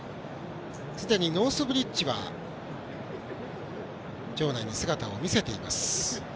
すでにノースブリッジは場内に姿を見せています。